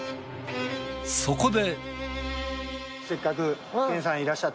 そこで。